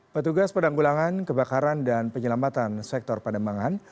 petugas pedang gulangan kebakaran dan penyelamatan sektor pademangan